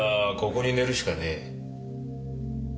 ここに寝るしかねえ。